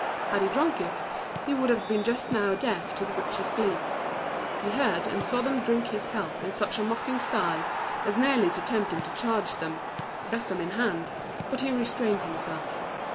Had he drunk it, he would have been just now deaf to the witches' glee. He heard and saw them drink his health in such a mocking style as nearly to tempt him to charge them, besom in hand, but he restrained himself.